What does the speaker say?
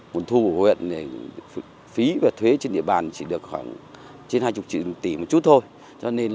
nguồn thu của huyện phí và thuế trên địa bàn chỉ được khoảng trên hai mươi triệu tỷ một chút thôi